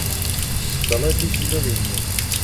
دەڵێت هیچم نەبینیوە.